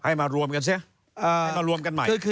ให้มารวมกันสิให้มารวมกันใหม่